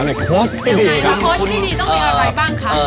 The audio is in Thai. ว่าโค้ชที่ดีต้องมีอะไรบ้างคะ